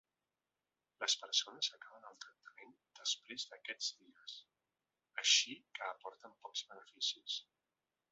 Les persones acaben el tractament després d’aquests dies, així que aporten pocs beneficis.